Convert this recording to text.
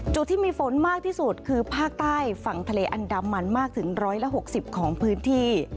จุดที่มีฝนมากที่สุดคือภาคใต้ฝั่งทะเลอันดามันมากถึง๑๖๐ของพื้นที่